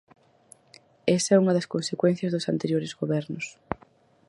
Esa é unha das consecuencias dos anteriores gobernos.